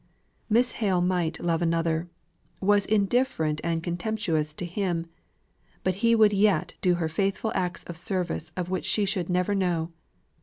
Miss Hale might love another was indifferent and contemptuous to him but he would yet do her faithful acts of service of which she should never know.